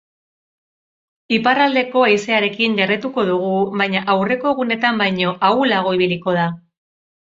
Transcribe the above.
Iparraldeko haizearekin jarraituko dugu baina aurreko egunetan baino ahulago ibiliko da.